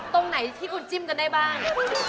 ตรงไหนที่คุณจิ้มกันได้บ้าง